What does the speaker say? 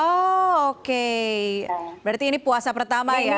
oh oke berarti ini puasa pertama ya